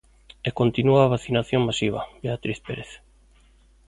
E continúa a vacinación masiva, Beatriz Pérez.